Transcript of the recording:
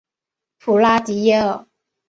普拉迪耶尔。